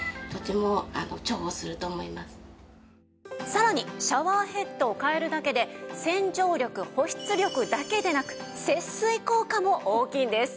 さらにシャワーヘッドを替えるだけで洗浄力保湿力だけでなく節水効果も大きいんです。